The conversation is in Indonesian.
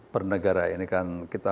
pernegaraan ini kan kita